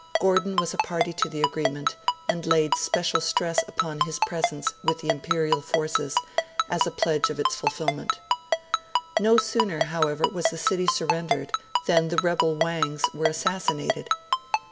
Gordon was a party to the agreement, and laid special stress upon his presence with the Imperial forces as a pledge of its fulfilment. No sooner, however, was the city surrendered than the rebel 'Wangs' were assassinated.